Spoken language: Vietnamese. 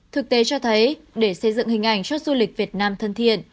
thực tế cho thấy để xây dựng hình ảnh cho du lịch việt nam thân thiện